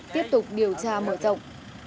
tiếp tục điều tra mở rộng